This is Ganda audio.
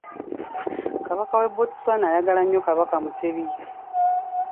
Kabaka w'e Botswana ayagala nnyo Kabaka Mutebi.